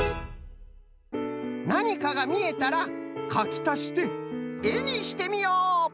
なにかがみえたらかきたしてえにしてみよう。